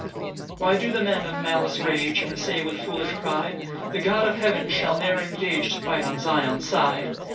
PAUSE. 5 Why do the men of malice rage, And say with foolish pride, "The God of heaven will ne'er engage To fight on Zion's side?"